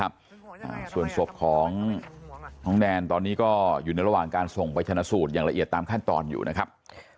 เราเมาอะไรเมาเหล้าหรือเมายาเมาเหล้าครับ